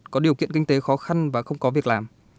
có điều kiện kinh tế khó khăn và không có việc làm